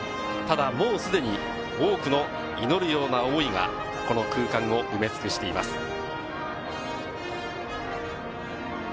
ただもうすでに多くの祈るような思いがこの空間を埋め尽くしています。